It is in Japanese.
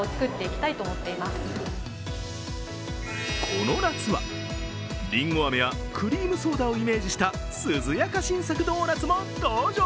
この夏は、りんごあめやクリームソーダをイメージした涼やか新作ドーナツも登場。